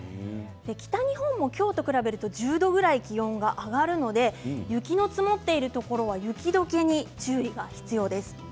北日本も今日と比べると１０度ぐらい気温が上がるので雪の積もっているところは雪解けに注意が必要です。